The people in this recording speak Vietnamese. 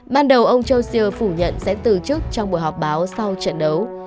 ban đầu ông geor phủ nhận sẽ từ chức trong buổi họp báo sau trận đấu